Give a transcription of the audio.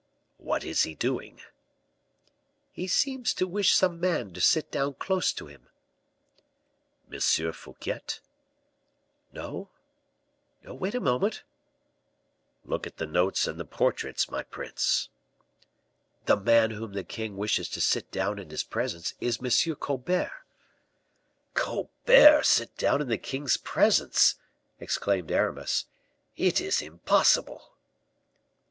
"What is he doing?" "He seems to wish some man to sit down close to him." "M. Fouquet?" "No, no; wait a moment " "Look at the notes and the portraits, my prince." "The man whom the king wishes to sit down in his presence is M. Colbert." "Colbert sit down in the king's presence!" exclaimed Aramis. "It is impossible."